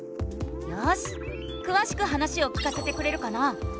よしくわしく話を聞かせてくれるかな？